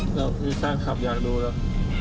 มีสารขับอยากดูแล้ว